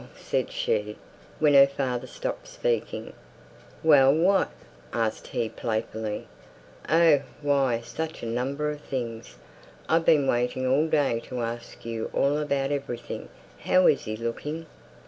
"Well!" said she, when her father stopped speaking. "Well! what?" asked he, playfully. "Oh! why, such a number of things. I've been waiting all day to ask you all about everything. How is he looking?"